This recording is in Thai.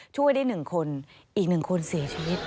ช่วยได้หนึ่งคนอีกหนึ่งคนเสียชีวิต